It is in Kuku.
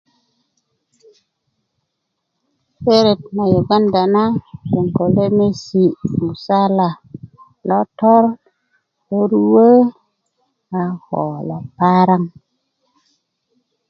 beret na yuganda na gboŋ ko lemesi' musala lotor loruwö a ko lo paraŋ